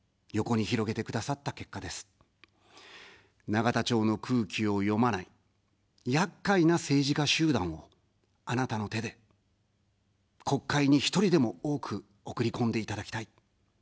永田町の空気を読まない、やっかいな政治家集団を、あなたの手で、国会に１人でも多く送り込んでいただきたい。